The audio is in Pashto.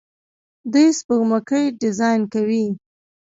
دوی سپوږمکۍ ډیزاین کوي.